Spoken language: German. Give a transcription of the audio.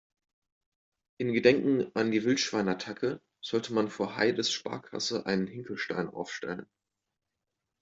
In Gedenken an die Wildschwein-Attacke sollte man vor Heides Sparkasse einen Hinkelstein aufstellen.